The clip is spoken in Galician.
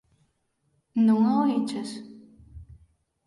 Non a oíches?